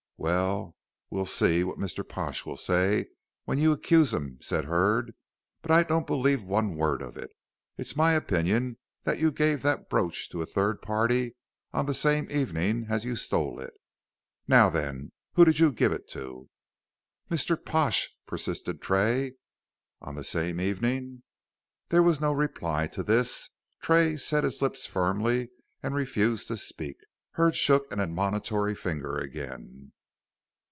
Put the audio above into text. "Well, we'll see what Mr. Pash will say when you accuse him," said Hurd; "but I don't believe one word of it. It's my opinion that you gave that brooch to a third party on the same evening as you stole it. Now, then, who did you give it to?" "Mr. Pash," persisted Tray. "On the same evening?" There was no reply to this. Tray set his lips firmly and refused to speak. Hurd shook an admonitory finger again.